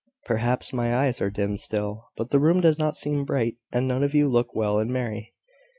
Perhaps my eyes are dim still; but the room does not seem bright, and none of you look well and merry."